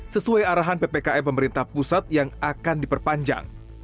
sesuai arahan ppkm pemerintah pusat yang akan diperpanjang